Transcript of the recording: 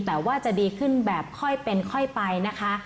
แต่ว่าจะดีขึ้นแบบค่อยเป็นค่อยไปนะคะ